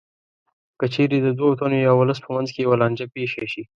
که چېرې د دوو تنو یا ولس په منځ کې یوه لانجه پېښه شي